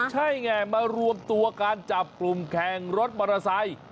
ใช่ไงมารวมตัวการจับกลุ่มแข่งรถมอเตอร์ไซค์